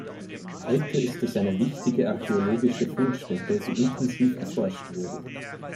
Heute ist es eine wichtige archäologische Fundstätte, die intensiv erforscht wurde.